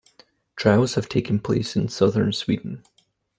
Trials have taken place in southern Sweden.